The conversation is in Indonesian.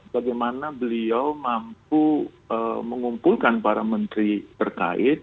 bagaimana beliau mampu mengumpulkan para menteri terkait